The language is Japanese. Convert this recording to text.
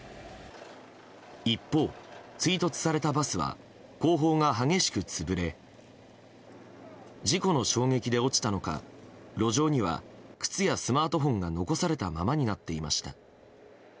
一方、追突されたバスは後方が激しく潰れ事故の衝撃で落ちたのか路上には靴やスマートフォンが残されたままになっていました。